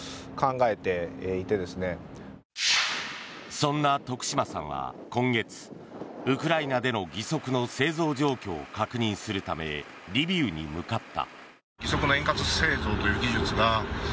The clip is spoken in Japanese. そんな徳島さんは今月ウクライナでの義足の製造状況を確認するためリビウに向かった。